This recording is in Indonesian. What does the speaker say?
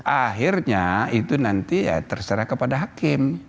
akhirnya itu nanti ya terserah kepada hakim